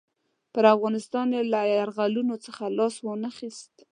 پر افغانستان یې له یرغلونو څخه لاس وانه خیست.